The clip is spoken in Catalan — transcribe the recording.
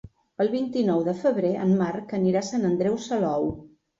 El vint-i-nou de febrer en Marc anirà a Sant Andreu Salou.